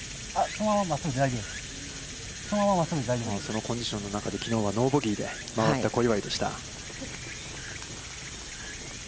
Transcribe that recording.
そのコンディションの中で、きのうはノーボギーで回った小祝でした。